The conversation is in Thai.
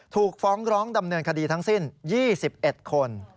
ถูกฟ้องร้องดำเนินคดีทั้งสิ้น๒๑คน